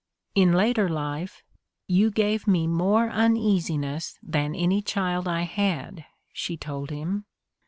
In later life, "you gave me more uneasi ness than any child I had," she told him.